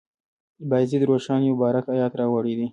بایزید روښان یو مبارک آیت راوړی دی.